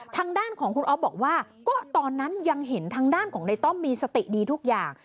ทางด้านของคุณอ๊อฟบอกว่าก็ตอนนั้นยังเห็นทางด้านของในต้อมมีสติดีทุกอย่าง